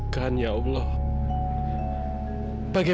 kamila kamu harus berhenti